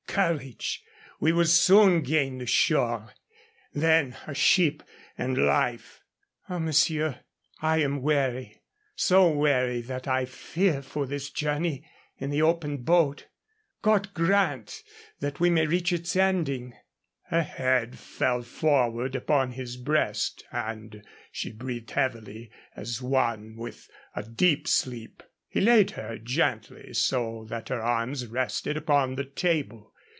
Courage! We will soon gain the shore. Then, a ship and life!" "Ah, monsieur, I am weary. So weary that I fear for this journey in the open boat. God grant we may reach its ending." Her head fell forward upon his breast and she breathed heavily as one in a deep sleep. He laid her gently so that her arms rested upon the table.